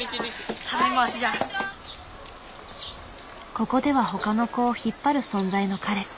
ここでは他の子を引っ張る存在の彼。